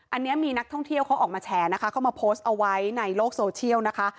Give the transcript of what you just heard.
อันนี้มีนักท่องเที่ยวเขาออกมาแฉนะคะเขามาโพสต์เอาไว้ในโลกโซเชียลนะคะ